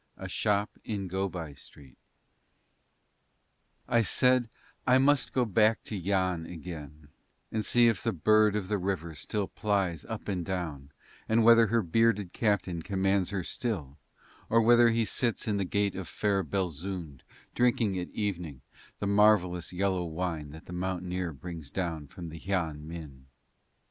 A SHOP IN GO BY STREET I said I must go back to Yann again and see if Bird of the River still plies up and down and whether her bearded captain commands her still or whether he sits in the gate of fair Belzoond drinking at evening the marvellous yellow wine that the mountaineer brings down from the Hian Min.